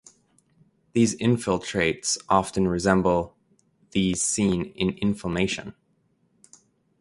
These infiltrates often resemble these seen in inflammation.